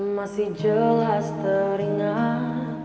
masih jelas teringat